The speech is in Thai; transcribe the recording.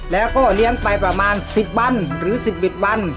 แล้วก็เลี้ยงไปประมาณสิบบันหรือสิบบิดบัน